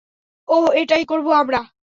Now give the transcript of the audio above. ওহ, এটাই করব আমরা।